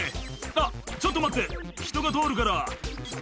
「あっちょっと待って人が通るから」